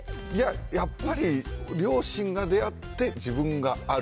やっぱり両親が出会って、自分がある。